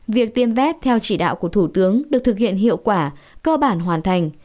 việc tiêm vét theo chỉ đạo của thủ tướng được thực hiện hiệu quả cơ bản hoàn thành